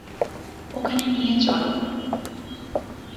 ওখানে নিয়ে চলো।